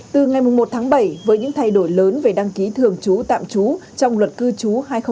từ ngày một tháng bảy với những thay đổi lớn về đăng ký thường trú tạm trú trong luật cư trú hai nghìn một mươi ba